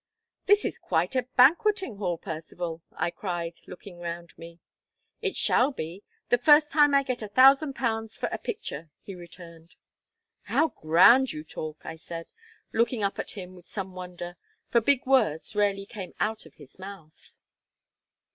"This is quite a banqueting hall, Percivale!" I cried, looking round me. "It shall be, the first time I get a thousand pounds for a picture," he returned. "How grand you talk!" I said, looking up at him with some wonder; for big words rarely came out of his mouth.